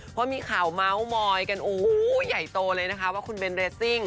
เพราะมีข่าวเมาส์มอยกันโอ้โหใหญ่โตเลยนะคะว่าคุณเบนเรซิ่ง